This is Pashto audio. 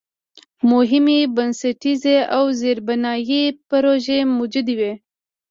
مهمې بنسټیزې او زېربنایي پروژې شاملې وې.